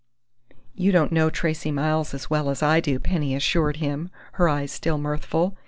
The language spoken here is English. "You don't know Tracey Miles as well as I do," Penny assured him, her eyes still mirthful.